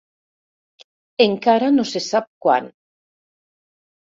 Encara no se sap quan.